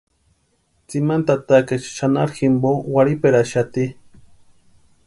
Tsimani tatakaecha xanharu jimpo warhiperaxati.